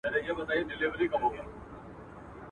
نسته له ابۍ سره شرنګی په الاهو کي!